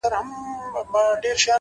علم د عقل او شعور سرچینه ده؛